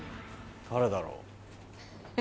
誰だろう。